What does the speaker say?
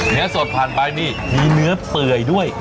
เนื้อสดผ่านไปนี่มีเนื้อเปื่อยด้วย